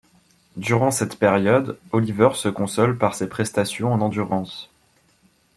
Durant cette période, Oliver se console par ses prestations en endurance.